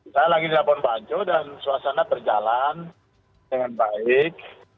saya lagi di labuan bajo dan suasana berjalan dengan baik